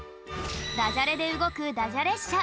ダジャレでうごくダジャれっしゃ。